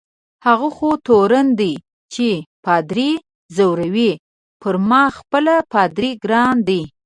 هغه خو تورن دی چي پادري ځوروي، پر ما خپله پادر ګران دی.